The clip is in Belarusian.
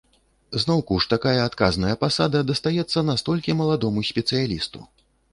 Зноўку ж такая адказная пасада дастаецца настолькі маладому спецыялісту.